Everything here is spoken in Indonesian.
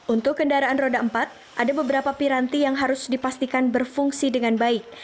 untuk kendaraan roda empat ada beberapa piranti yang harus dipastikan berfungsi dengan baik